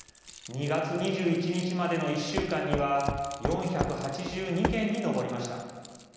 ２月２１日までの１週間には４８２件に上りました。